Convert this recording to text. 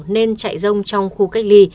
nên chạy rông trong khu cách ly